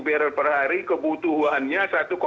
barrel per hari kebutuhannya